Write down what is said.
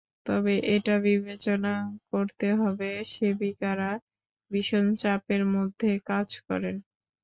তবে এটা বিবেচনা করতে হবে, সেবিকারা ভীষণ চাপের মধ্যে কাজ করেন।